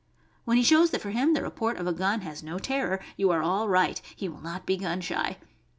When he shows that for him the report of a gun has no terror, you are all right; he will not be gun shy.